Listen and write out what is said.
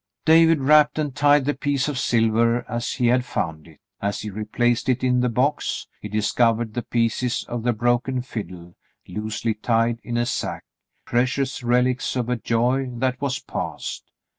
'* David wrapped and tied the piece of silver as he had found it. As he replaced it in the box, he discovered the pieces of the broken fiddle loosely tied in a sack, precious relics of a joy that was past.